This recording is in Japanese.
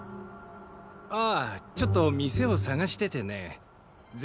ああちょっと店を探しててね銭